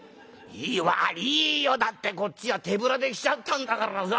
いいいよだってこっちは手ぶらで来ちゃったんだからさ。